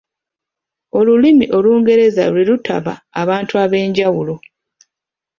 Olulimi Olungereza lwe lutaba abantu ab’enjawulo.